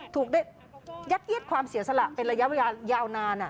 ถูกได้ยัดเย็ดความเสียสละเป็นระยะเวลายาวนาน